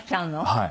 はい。